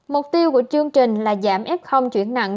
mục tiêu của chương trình là giảm f chuyển nặng